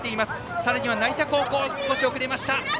さらに成田高校、少し遅れた。